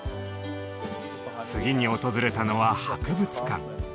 次に訪れたのは博物館。